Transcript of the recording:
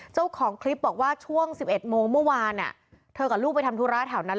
เจ้าของคลิปบอกว่าช่วง๑๑โมงเมื่อวานเธอกับลูกไปทำธุระแถวนั้น